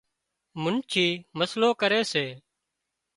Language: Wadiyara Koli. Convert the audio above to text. منڇي مسئلو ڪري سي